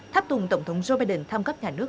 tháp tùng tổng thống joe biden thăm cấp nhà nước